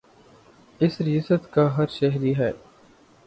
اس ریاست کا ہر شہری ہے